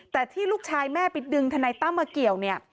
แต่ที่ลูกชายแม่ไปดึงทนายตั้มมาเกี่ยวเนี่ย